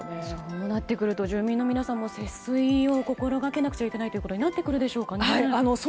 そうなってくると住民の皆さんも節水を心がけないといけないことになってくるでしょうかね。